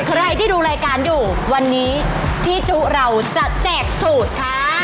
ใครที่ดูรายการอยู่วันนี้พี่จุเราจะแจกสูตรค่ะ